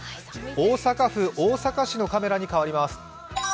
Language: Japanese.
大阪府大阪市のカメラに変わります。